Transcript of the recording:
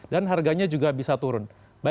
dan harganya juga bisa turun